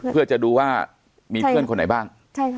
เพื่อจะดูว่ามีเพื่อนคนไหนบ้าง